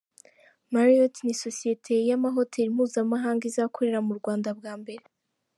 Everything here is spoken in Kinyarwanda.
Marriott ni sosiyete y’ama hoteli mpuzamahanga izakorera mu Rwanda bwa mbere.